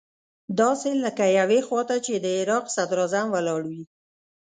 داسې لکه يوې خوا ته چې د عراق صدراعظم ولاړ وي.